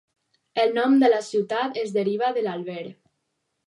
El nom de la ciutat es deriva de l'àlber.